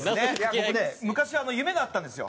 僕ね昔夢があったんですよ